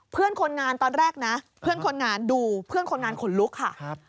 เพื่อนคนงานตอนแรกนะเพื่อนคนงานดูเพื่อนคนงานขนลุกค่ะ